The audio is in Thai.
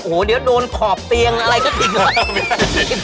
โอ้โฮเดี๋ยวโดนขอบเตียงอะไรก็ถึง